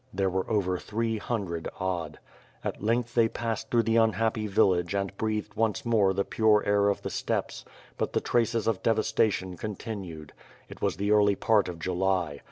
There were over three hundred odd. At length they passed through the unhappy village and breathed once more the pure air of the steppes; but the traces of devastation con tinued. It was the early part of July.